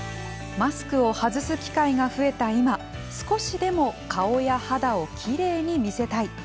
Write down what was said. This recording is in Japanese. マスクを外す機会が増えた今、少しでも顔や肌をきれいに見せたい。